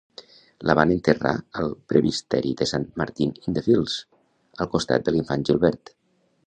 La van enterrar al presbiteri de Saint Martin-in-the-Fields al costat de l'infant Gilbert.